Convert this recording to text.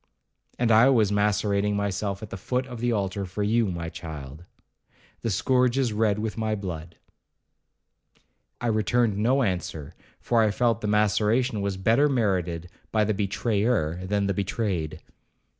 'And I was macerating myself at the foot of the altar for you, my child,—the scourge is red with my blood.' I returned no answer, for I felt the maceration was better merited by the betrayer than the betrayed.